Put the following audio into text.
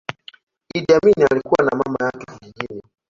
Idi Amin alikua na mama yake kijijini